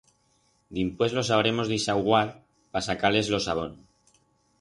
Dimpués los habremos d'ixauguar pa sacar-les lo sabón.